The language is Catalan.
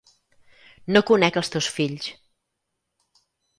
No conec els teus fills.